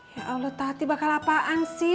ya allah tati bakal apaan sih